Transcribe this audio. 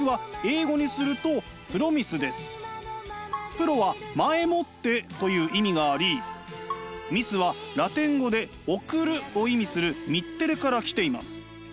「Ｐｒｏ」は「前もって」という意味があり「ｍｉｓｅ」はラテン語で「送る」を意味する「ｍｉｔｔｅｒｅ」から来ています。